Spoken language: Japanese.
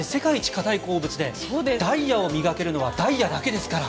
固い鉱物でダイヤを磨けるのは大也だけですから。